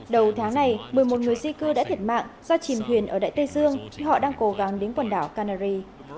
đầu tháng này một mươi một người di cư đã thiệt mạng do chìm thuyền ở đại tây dương khi họ đang cố gắng đến quần đảo canary